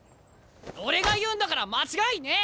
俺が言うんだから間違いねえ！